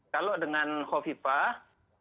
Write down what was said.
kalau dengan khofifah